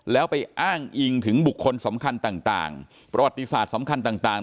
แล้วไปอ้างอิงถึงบุคคลสำคัญต่างประวัติศาสตร์สำคัญต่าง